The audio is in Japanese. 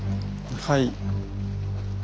はい。